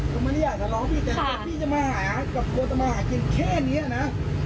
ผมไม่อยากทะเลาะพี่แต่ว่าพี่จะมาหากับคนจะมาหากินแค่เนี้ยนะ